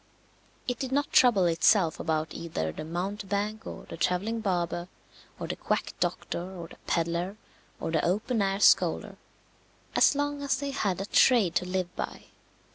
It did not trouble itself about either the mountebank or the travelling barber, or the quack doctor, or the peddler, or the open air scholar, as long as they had a trade to live by.